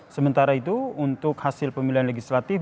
sementara itu untuk hasil pemilihan legislatif